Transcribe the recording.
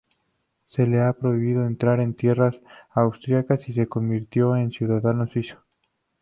Se le prohibió entrar en tierras austríacas y se convirtió en ciudadano suizo.